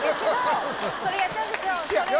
それやっちゃうんですよ！